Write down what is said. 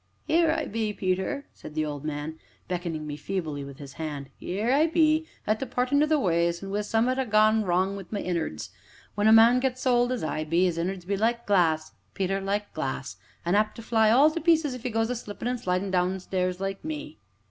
"'Ere I be, Peter," said the old man, beckoning me feebly with his hand, "'ere I be at the partin' o' the ways, an' wi' summ'at gone wrong wi' my innards! When a man gets so old as I be, 'is innards be like glass, Peter, like glass an' apt to fly all to pieces if 'e goes a slippin' an' a slidin' downstairs, like me."